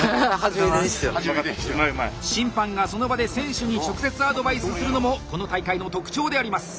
審判がその場で選手に直接アドバイスするのもこの大会の特徴であります！